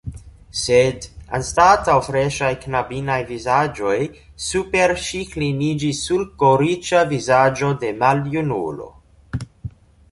Sed anstataŭ freŝaj knabinaj vizaĝoj super ŝi kliniĝis sulkoriĉa vizaĝo de maljunulo.